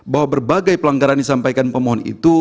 bahwa berbagai pelanggaran yang disampaikan pemohon itu